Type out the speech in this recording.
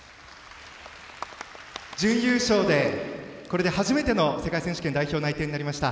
準優勝で初めての世界選手権代表内定となりました。